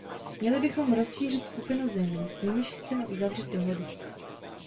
Měli bychom rozšířit skupinu zemí, s nimiž chceme uzavřít dohodu.